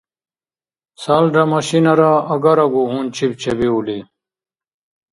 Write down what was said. Цалра машинара агарагу гьунчиб чебиули.